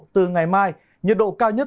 từ ngày mai nhiệt độ cao nhất